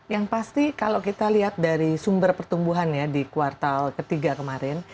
yang pasti kalau kita lihat dari sumber pertumbuhan ya di kuartal ketiga kemarin